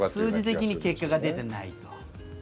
数字的に結果が出ていないと。